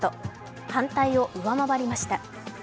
反対を上回りました。